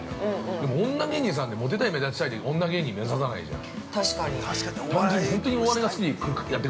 でも、女芸人さんってもてたい、目立ちたいで女芸人、目指さないじゃん？